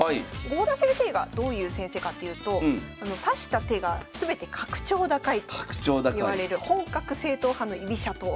郷田先生がどういう先生かっていうと指した手が全て格調高いといわれる本格正統派の居飛車党。